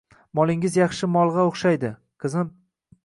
Molingiz yaxshi molg‘a o‘xshaydi, qizim